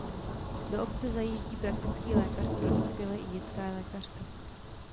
Do obce zajíždí praktický lékař pro dospělé i dětská lékařka.